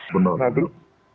benar iya benar